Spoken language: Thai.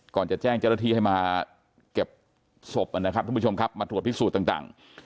ก่อนจะแจ้งเจ้าหน้าที่ให้มาเก็บศพนะครับทุกผู้ชมครับมาตรวจพิสูจน์ต่าง